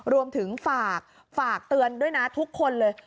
รวมถึงฝากเตือนด้วยนะทุกคนเลย